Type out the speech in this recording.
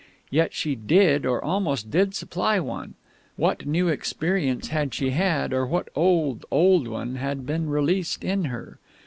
Yet she did, or almost did, supply one. What new experience had she had, or what old, old one had been released in her?